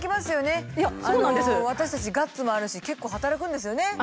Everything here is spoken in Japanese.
私たちガッツもあるし結構働くんですよね。